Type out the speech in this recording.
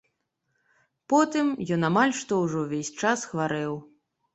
Потым ён амаль што ўжо ўвесь час хварэў.